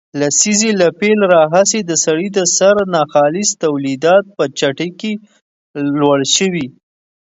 لسیزې له پیل راهیسې د سړي د سر ناخالص تولیدات په چټکۍ لوړ شوي